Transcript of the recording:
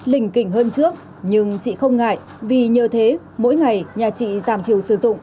lình kỉnh hơn trước nhưng chị không ngại vì như thế mỗi ngày nhà chị giảm thiếu sử dụng